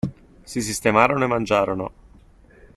Si sistemarono e mangiarono.